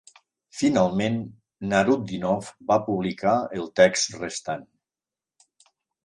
Finalment, Nurutdinov va publicar el text restant.